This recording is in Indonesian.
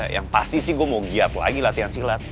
yang pasti sih gue mau giat lagi latihan silat